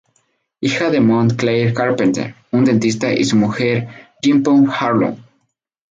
Hija de Mont Clair Carpenter, un dentista, y su mujer Jean Poe Harlow.